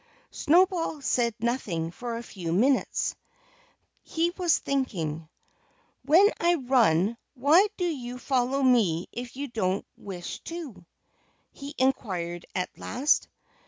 Snowball said nothing for a few minutes. He was thinking. "When I run, why do you follow me if you don't wish to?" he inquired at last.